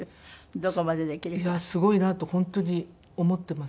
すごいなと本当に思ってますよ。